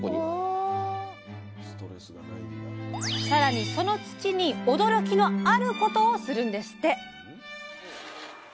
さらにその土に驚きの「あること」をするんですって！